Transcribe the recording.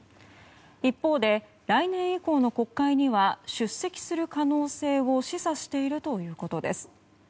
一方で、来年以降の国会には出席する可能性を示唆しているということです。